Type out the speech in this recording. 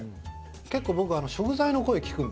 結構僕食材の声を聞くんで。